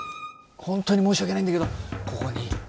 本当に申し訳ないんだけどここに監視用。